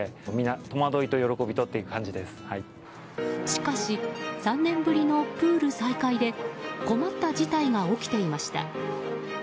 しかし３年ぶりのプール再開で困った事態が起きていました。